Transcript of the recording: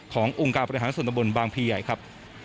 ของอุงการประธานสนบนบางภีรใหญ่ครับ